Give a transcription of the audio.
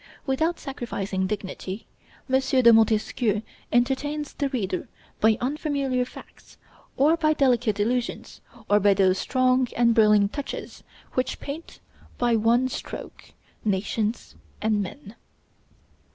Without sacrificing dignity, M. de Montesquieu entertains the reader by unfamiliar facts, or by delicate allusions, or by those strong and brilliant touches which paint, by one stroke, nations and men.